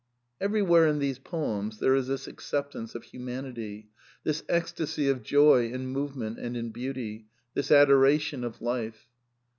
Everywhere in these poems there is this acceptance of ^^ humanity, this ecstasy of joy in movement and in beauty, i this adoration of life.